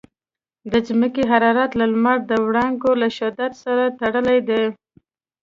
د ځمکې حرارت د لمر د وړانګو له شدت سره تړلی دی.